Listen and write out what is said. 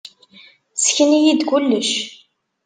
Ssken-iyi-d kullec.